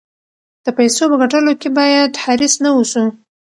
د پیسو په ګټلو کې باید حریص نه اوسو.